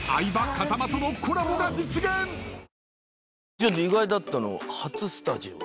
ちょっと意外だったの初スタジオ。